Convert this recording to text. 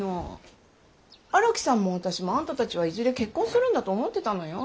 荒木さんも私もあんたたちはいずれ結婚するんだと思ってたのよ。